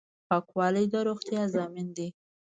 پاکوالی د روغتیا ضامن دی.